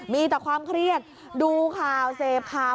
มีแต่ความเครียดดูข่าวเสพข่าว